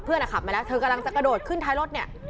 ขับมาแล้วเธอกำลังจะกระโดดขึ้นท้ายรถเนี่ย